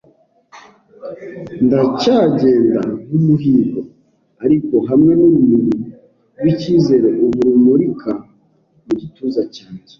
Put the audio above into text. ndacyagenda nkumuhigo, ariko hamwe nurumuri rwicyizere ubu rumurika mugituza cyanjye.